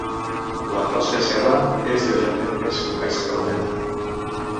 La closca esquerra és lleugerament més convexa que la dreta.